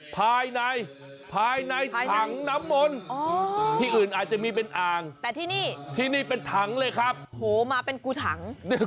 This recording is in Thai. ภายในภายในถังน้ำมนต์ที่อื่นอาจจะมีเป็นอ่างแต่ที่นี่ที่นี่เป็นถังเลยครับโอ้โหมาเป็นกูถัง